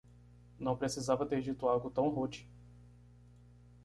Não precisava ter dito algo tão rude